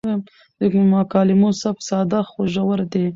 د مکالمو سبک ساده خو ژور دی.